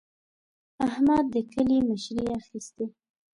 احمد د کلي مشري اخېستې.